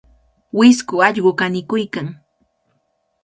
Wisku allqu kanikuykan.